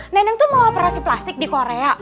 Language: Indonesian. neneng tuh mau operasi plastik di korea